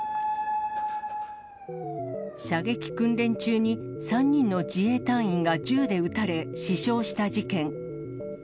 射撃訓練中に３人の自衛隊員が銃で撃たれ、死傷した事件。